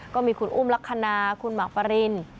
ก็มีคุณอุ้มลักษณะคุณหมากปริน